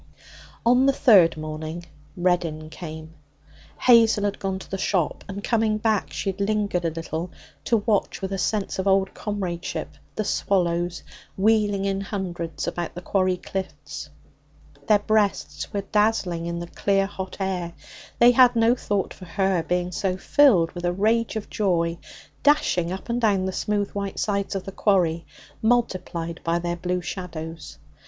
On the third morning Reddin came. Hazel had gone to the shop, and, coming back, she had lingered a little to watch with a sense of old comradeship the swallows wheeling in hundreds about the quarry cliffs. Their breasts were dazzling in the clear hot air. They had no thought for her, being so filled with a rage of joy, dashing up and down the smooth white sides of the quarry, multiplied by their blue shadows.